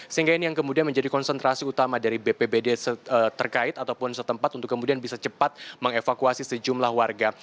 sehingga ini yang kemudian menjadi konsentrasi utama dari bpbd terkait ataupun setempat untuk kemudian bisa cepat mengevakuasi sejumlah warga